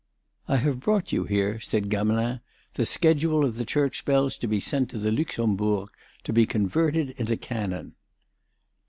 "I have brought you here," said Gamelin, "the schedule of the church bells to be sent to the Luxembourg to be converted into cannon."